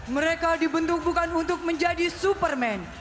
mereka dibentuk bukan untuk menjadi superman